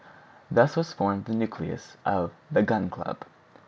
Thus was formed the nucleus of the "Gun Club."